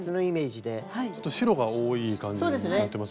ちょっと白が多い感じにやってますよね？